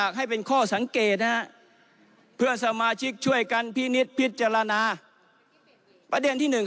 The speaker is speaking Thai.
คนที่ยังเป็นนายกรัฐบนตรีประเทศไทยเนี่ย